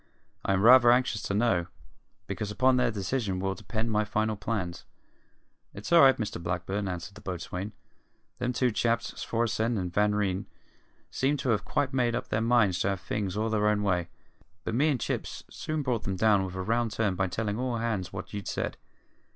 I am rather anxious to know, because upon their decision will depend my final plans." "It's all right, Mr Blackburn," answered the boatswain. "Them two chaps, Svorenssen and Van Ryn, seemed to have quite made up their minds to have things all their own way; but me and Chips soon brought 'em up with a round turn by tellin' all hands what you'd said.